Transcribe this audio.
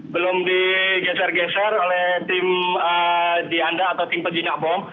belum digeser geser oleh tim dianda atau tim penjinak bom